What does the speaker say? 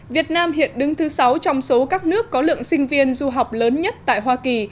việt nam hiện đứng thứ sáu trong số các nước có lượng sinh viên du học lớn nhất tại hoa kỳ